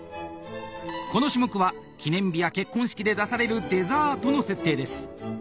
この種目は記念日や結婚式で出されるデザートの設定です。